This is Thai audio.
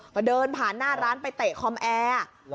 ก็เดินผ่านหน้าร้านไปเตะคอมแอร์